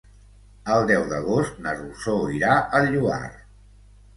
El deu d'agost na Rosó irà al Lloar.